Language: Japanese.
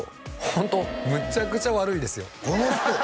ホントむちゃくちゃ悪いですよ